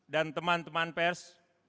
dan teman teman pers